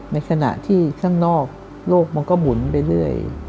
ในขณะที่ข้างนอกโลกมันก็หมุนไปเรื่อย